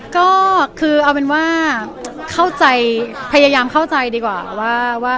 ก็คือเอาเป็นว่าเข้าใจพยายามเข้าใจดีกว่าว่า